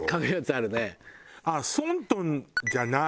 ああソントンじゃない。